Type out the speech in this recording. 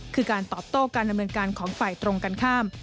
คือการตอบโต้การดำเนินการของฝ่ายตรงกันข้าม